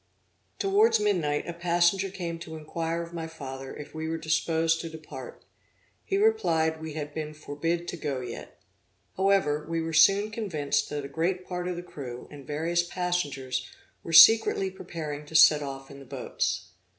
Towards midnight, a passenger came to inquire of my father if we were disposed to depart; he replied, we had been forbid to go yet. However, we were soon convinced that a great part of the crew and various passengers were secretly preparing to set off in the boats.